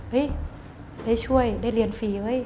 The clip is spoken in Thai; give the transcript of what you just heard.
เฮ้ยได้ช่วยได้เรียนฟรี